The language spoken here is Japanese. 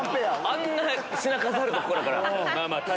あんな品数あるところから。